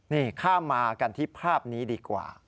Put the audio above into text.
นี่ข้ามมากันที่ภาพนี้ดีกว่า